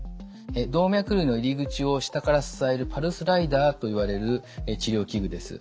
動脈瘤の入り口を下から支えるパルスライダーといわれる治療器具です。